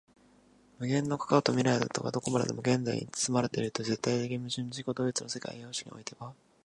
無限の過去と未来とがどこまでも現在に包まれるという絶対矛盾的自己同一の世界の生産様式においては、